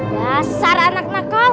besar anaknya kau